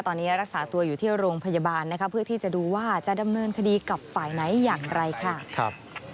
ตอนนี้รักษาตัวอยู่ที่โรงพยาบาลนะคะเพื่อที่จะดูว่าจะดำเนินคดีกับฝ่ายไหนอย่างไรค่ะ